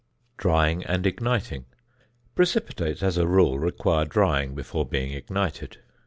~Drying and Igniting.~ Precipitates, as a rule, require drying before being ignited.